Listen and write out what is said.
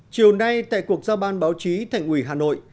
chiều nay tại cuộc giao ban báo chí thành ủy hà nội